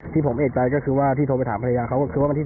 ตัวผมเองผมก็ไปดิ้นรถนะฮะกล้องจอติดมา